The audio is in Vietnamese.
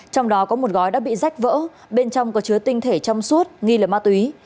trong đó có một gói đã bị rách vỡ bên trong có chứa tinh thể trong suốt nghi là ma túy